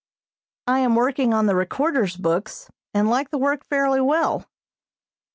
I am working on the Recorder's books, and like the work fairly well.